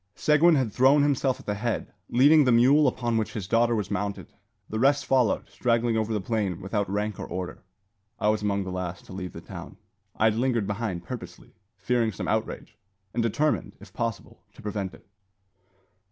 Seguin had thrown himself at the head, leading the mule upon which his daughter was mounted. The rest followed, straggling over the plain without rank or order. I was among the last to leave the town. I had lingered behind purposely, fearing some outrage, and determined, if possible, to prevent it.